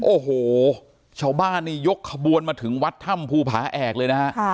โอ้โหชาวบ้านนี่ยกขบวนมาถึงวัดถ้ำภูผาแอกเลยนะฮะ